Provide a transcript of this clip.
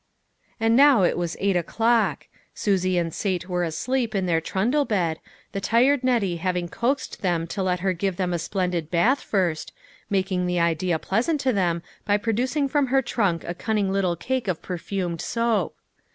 And now it was eight o'clock. Susie and Sate were asleep in their trundle bed, the tired Nettie having coaxed them to let her give them a splendid bath first, making the idea pleasant to them by producing from her trunk a cunning little cake of perfumed soap.